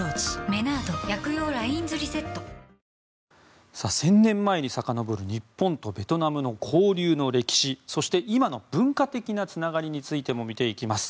わぁ１０００年前にさかのぼる日本とベトナムの交流の歴史そして、今の文化的なつながりについても見ていきます。